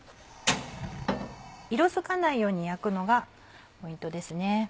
色づかないように焼くのがポイントですね。